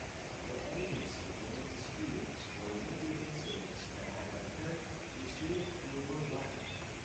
The agency gained experience from major incidents that have occurred in Sweden and worldwide.